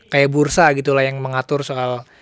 kayak bursa gitu lah yang mengatur soal